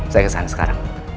saya kesana sekarang